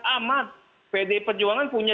amat pd perjuangan punya